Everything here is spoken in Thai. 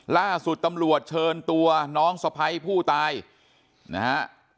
ล่าสุดตำรวจเชิญตัวน้องสะพ้ายผู้ตายนะฮะ